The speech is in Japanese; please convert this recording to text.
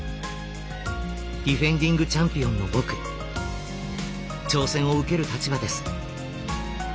ディフェンディングチャンピオンの僕挑戦を受ける立場です。